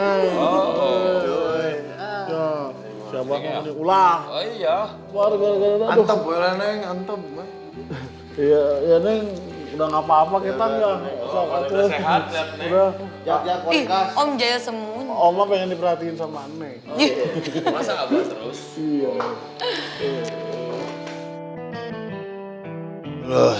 pengen diperhatiin sama